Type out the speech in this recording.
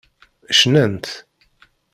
Cnant.